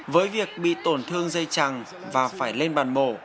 với việc bị tổn thương dây chẳng và phải lên bàn mổ